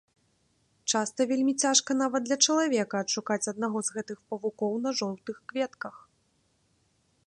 Часта вельмі цяжка нават для чалавека адшукаць аднаго з гэтых павукоў на жоўтых кветках.